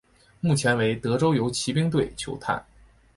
目前为德州游骑兵队球探。